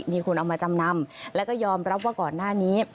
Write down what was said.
มีคนเอามาจำนำแล้วก็ยอมรับว่าก่อนหน้านี้